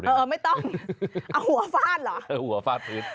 เออไม่ต้องเอาหัวฟาดเหรอเออหัวฟาดพื้น